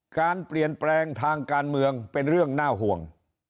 การเปลี่ยนแปลงทางการเมืองเป็นเรื่องน่าห่วง